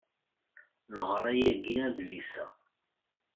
Neɣra yagi adlis-a.